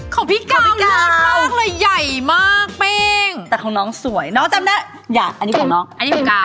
ของพี่กาพี่ยาวมากเลยใหญ่มากเป้งแต่ของน้องสวยน้องจำได้อยากอันนี้ของน้องอันนี้ของกาว